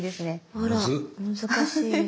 あら難しいです。